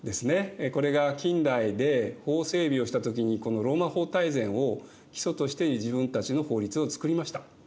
これが近代で法整備をした時にこの「ローマ法大全」を基礎として自分たちの法律をつくりました。